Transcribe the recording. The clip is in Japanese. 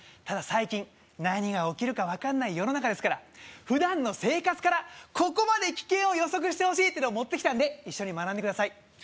ただ最近何が起きるか分かんない世の中ですから普段の生活からここまで危険を予測してほしいってのを持ってきたんで一緒に学んでください